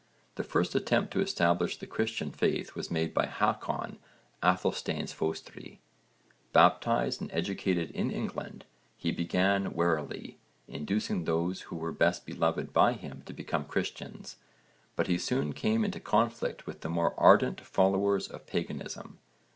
The first attempt to establish the Christian faith was made by Hákon Aðalsteinsfóstri (v. supra, p. 36). Baptised and educated in England, he began warily, inducing those who were best beloved by him to become Christians, but he soon came into conflict with the more ardent followers of paganism.